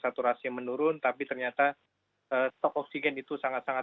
saturasi menurun tapi ternyata stok oksigen itu sangat sangat